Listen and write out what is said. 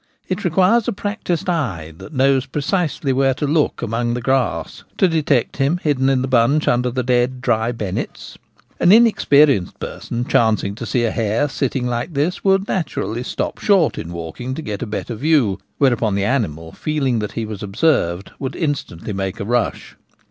It requires a practised eye, that knows precisely where to look among the grass, to detect him hidden in the bunch under the dead, dry bennets. An inexperi 156 The Gamekeeper at Home. enced person chancing to see a hare sitting like this would naturally stop short in walking to get a better view; whereupon the animal, feeling that he was observed, would instantly make a rush.